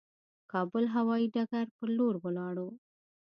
کابل هوايي ډګر پر لور ولاړو.